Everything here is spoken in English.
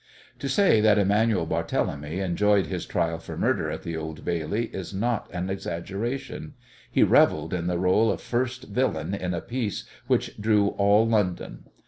To say that Emanuel Barthélemy enjoyed his trial for murder at the Old Bailey is not an exaggeration. He revelled in the role of first villain in a piece which drew all London.